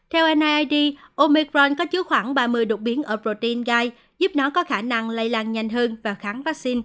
theo niied omicron có chứa khoảng ba mươi đột biến ở protein gai giúp nó có khả năng lây làng nhanh hơn